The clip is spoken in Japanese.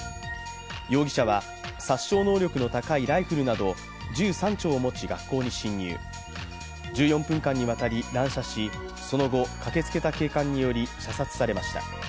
容疑者は殺傷能力の高いライフルなど銃３丁を持ち学校に侵入し、１４分間にわたり乱射し、その後、駆けつけた警官により射殺されました。